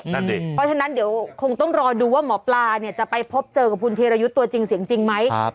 เพราะฉะนั้นเดี๋ยวคงต้องรอดูว่าหมอปลาเนี่ยจะไปพบเจอกับคุณธีรยุทธ์ตัวจริงเสียงจริงไหม